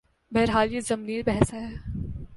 بہرحال یہ ضمنی بحث ہے۔